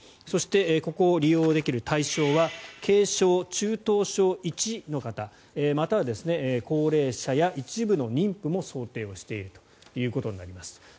そしてここを利用できる対象者は軽症・中等症１の方または高齢者や一部の妊婦も想定をしているということになります。